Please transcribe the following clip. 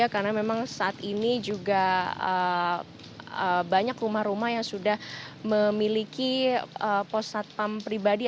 karena memang saat ini juga banyak rumah rumah yang sudah memiliki pos satpam pribadi